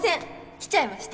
来ちゃいました！